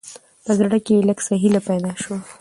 په زړه، کې يې لېږ څه هېله پېدا شوه.